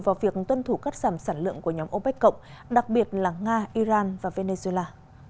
vào việc tuân thủ các giảm sản lượng của nhóm opec đặc biệt là nga iran và venezuela